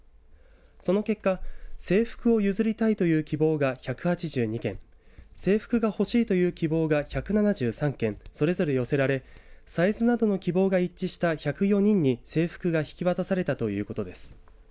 その結果、制服を譲りたいという希望が１８２件制服が欲しいという希望が１７３件それぞれ寄せられ、サイズなどの希望が一致した１０４人に制服が引き渡されたということです。